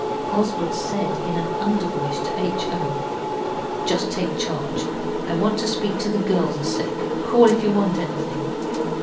Oswald said in an undervoice to H. O. 'Just take charge. I want to speak to the girls a sec. Call if you want anything.